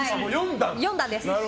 ４段です。